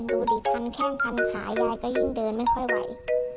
ดูดิพันแข้งพันขายายก็ยิ่งเดินไม่ค่อยไหว